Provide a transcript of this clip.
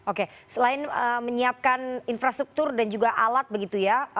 oke selain menyiapkan infrastruktur dan juga alat begitu ya